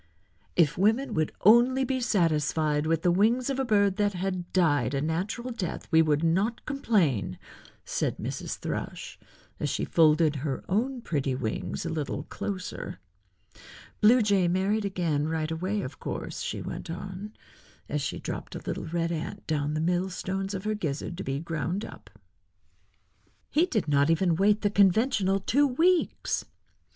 "If women would only be satisfied with the wings of a bird that had died a natural death we would not complain," said Mrs. Thrush, as she folded her own pretty wings a little closer. "Blue Jay married again right away, of course," she went on, as she dropped a little red ant down among the mill stones of her gizzard to be ground up. "He did not even wait the conventional two weeks.